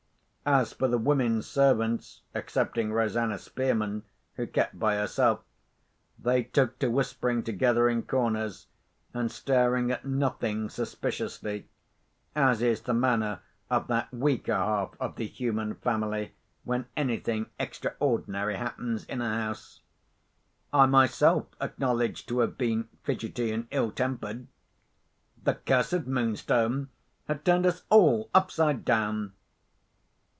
As for the women servants excepting Rosanna Spearman, who kept by herself—they took to whispering together in corners, and staring at nothing suspiciously, as is the manner of that weaker half of the human family, when anything extraordinary happens in a house. I myself acknowledge to have been fidgety and ill tempered. The cursed Moonstone had turned us all upside down.